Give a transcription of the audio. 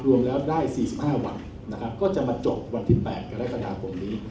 รวมแล้วได้สี่สิบห้าวันนะครับก็จะมาจบวันที่๘กระดาษกรมนี้